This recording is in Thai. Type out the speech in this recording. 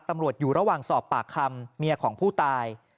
ตำรวจอยู่ระหว่างสอบปากคำเมียของผู้ตาย